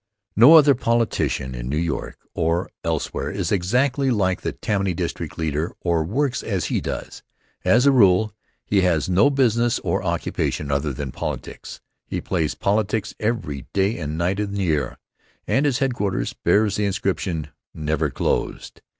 No other politician in New York or elsewhere is exactly like the Tammany district leader or works as he does. As a rule, he has no business or occupation other than politics. He plays politics every day and night in the year, and his headquarters bears the inscription, "Never closed."